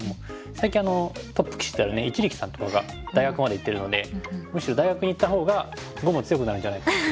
最近トップ棋士である一力さんとかが大学まで行ってるのでむしろ大学に行ったほうが碁も強くなるんじゃないかなと。